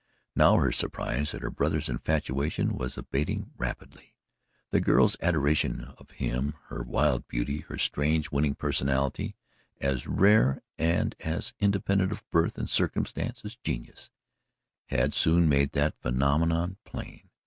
Now her surprise at her brother's infatuation was abating rapidly. The girl's adoration of him, her wild beauty, her strange winning personality as rare and as independent of birth and circumstances as genius had soon made that phenomenon plain.